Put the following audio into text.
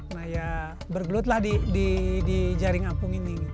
nah ya bergelutlah di jaring apung ini